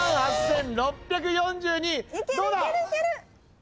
どうだ？